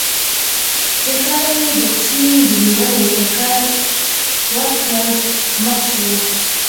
چې کله یې د چین د نیولو تکل وکړ، مړ شو.